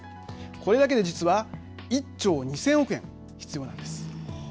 これだけで実は１兆２０００億円必要なんです。